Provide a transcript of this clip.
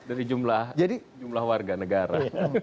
dari jumlah warga negara